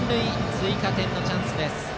追加点のチャンスです。